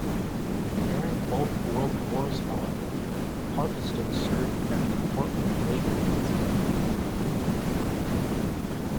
During both World Wars, however, Parkeston served as an important naval base.